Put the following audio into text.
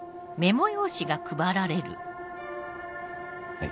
はい。